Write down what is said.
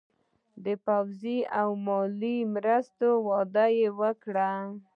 د پوځي او مالي مرستو وعده یې ورکړه.